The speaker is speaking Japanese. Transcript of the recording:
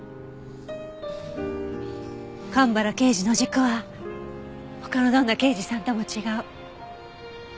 蒲原刑事の軸は他のどんな刑事さんとも違う。